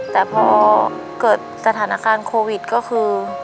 แต่พอเกิดสถานการณ์โควิดก็คือ